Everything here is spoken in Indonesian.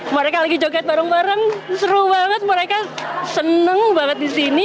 mereka lagi joget bareng bareng seru banget mereka seneng banget di sini